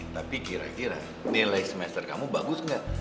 tapi kira kira nilai semester kamu bagus nggak